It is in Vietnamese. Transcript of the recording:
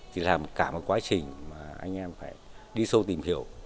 thì là cả một quá trình mà anh em phải đi sâu tìm hiểu